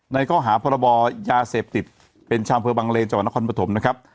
ในข้อหาพรบยาเสพติดเป็นชาวอำเภอบังเลนจังหวัดนครปฐมนะครับ